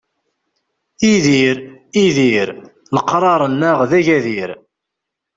Idir, idir, leqraṛ-nneɣ d agadir.